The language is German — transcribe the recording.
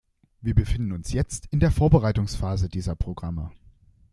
Wir befinden uns jetzt in der Vorbereitungsphase dieser Programme.